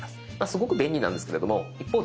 すごく便利なんですけれども一方であれ？